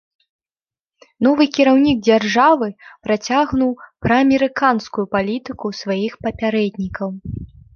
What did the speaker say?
Новы кіраўнік дзяржавы працягнуў праамерыканскую палітыку сваіх папярэднікаў.